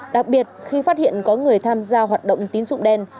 đặc biệt khi phát hiện có người tham gia hoạt động tín dụng đen